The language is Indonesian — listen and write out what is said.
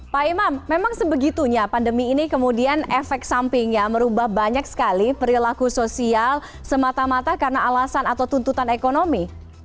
pak imam memang sebegitunya pandemi ini kemudian efek sampingnya merubah banyak sekali perilaku sosial semata mata karena alasan atau tuntutan ekonomi